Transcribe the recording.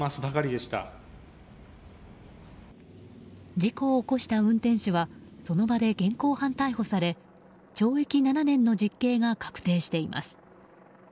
事故を起こした運転手はその場で現行犯逮捕され懲役７年の実刑が確定しています。